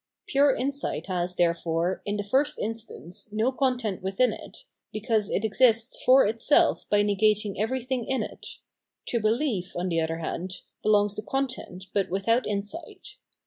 Pure insight has, therefore, m the first instance, no content within it, because it exists for itself by negating everything in it ; to behef, on the other hand, belongs the content, but without insight.